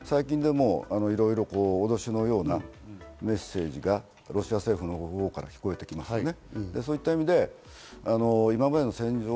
最近でも脅しのようなメッセージがロシア政府のほうから聞こえてきますよね。